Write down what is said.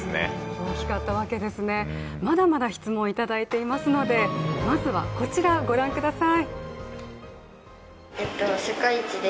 大きかったわけですねまだまだ質問いただいていますのでまずはこちら、ご覧ください。